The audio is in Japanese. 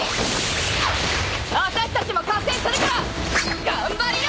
あたしたちも加勢するから頑張りな！